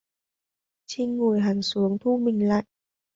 Trinh ngồi hẳn xuống thu mình lại